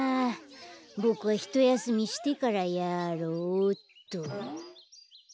ボクはひとやすみしてからやろうっと。